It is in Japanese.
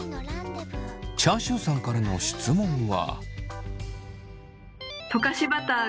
チャーシューさんからの質問は。